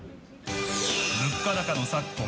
物価高の昨今